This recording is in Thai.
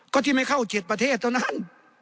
ก็ที่ไม่เข้า๗ประเทศเท่านั้น